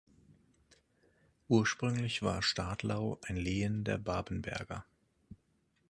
Ursprünglich war Stadlau ein Lehen der Babenberger.